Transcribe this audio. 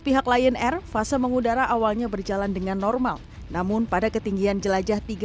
pihak lion air fase mengudara awalnya berjalan dengan normal namun pada ketinggian jelajah tiga